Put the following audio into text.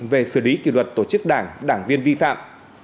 về xử lý kỷ luật tổ chức đảng đảng viên vi phạm